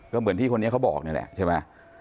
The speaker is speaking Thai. ก็เหมือนที่คนนี้เขาบอกนี่แหละใช่ไหม